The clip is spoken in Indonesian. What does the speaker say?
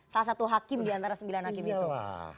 salah satu hakim diantara sembilan hakim itu